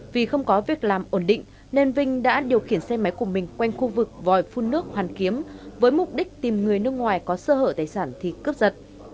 vì không có việc làm ổn định nên vinh đã điều khiển xe máy của mình quanh khu vực vòi phun nước hoàn kiếm với mục đích tìm người nước ngoài có sơ hở tài sản thì cướp giật